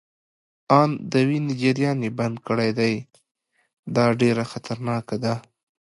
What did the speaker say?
آن د وینې جریان يې بند کړی دی، دا ډیره خطرناکه ده.